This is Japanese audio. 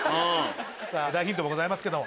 大ヒントもございますけども。